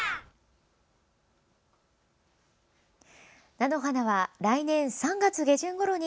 菜の花は来年３月下旬ごろに